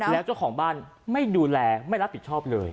แล้วเจ้าของบ้านไม่ดูแลไม่รับผิดชอบเลย